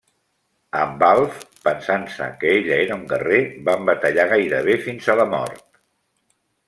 Amb Alf, pensant-se que ella era un guerrer, van batallar gairebé fins a la mort.